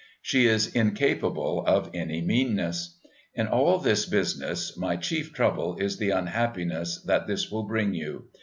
She is incapable of any meanness. In all this business my chief trouble is the unhappiness that this will bring you.